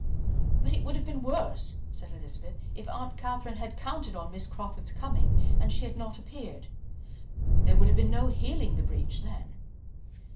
"But it would have been worse," said Elizabeth, "if Aunt Catherine had counted on Miss Crawford's coming and she had not appeared. There would have been no healing the breach then."